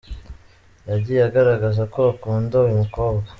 Y yagiye agaragaza ko akunda uyu mukobwa.